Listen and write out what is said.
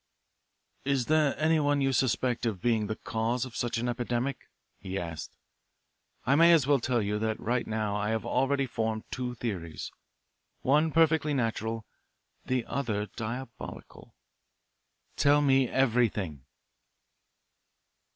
"Is there anyone you suspect of being the cause of such an epidemic?" he asked. "I may as well tell you right now that I have already formed two theories one perfectly natural, the other diabolical. Tell me everything."